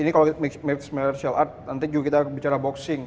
ini kalau mix martial art nanti juga kita bicara boxing